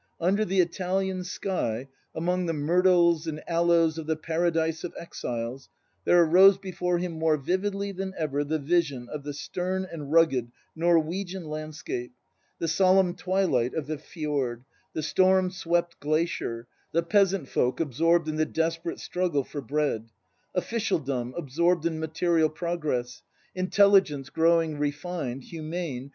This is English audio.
"^ Under the Italian sky, among the myrtles and aloes of the "Paradise of exiles," there arose before him more vividly than ever the vision of the stern and rugged Norwegian landscape, the solemn twilight of the fjord, the storm swept glacier, the peasant folk absorbed in the desperate struggle for bread, oflScialdom absorbed in material prog ress, "intelligence" growing refined, "humane," and > Speech to the Students, printed in full in Halvorsen, Norsk Forfatter lexikon, art.